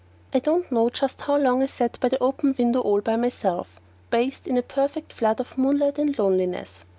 I don't know just how long I sat by the open window all by myself, bathed in a perfect flood of moonlight and loneliness.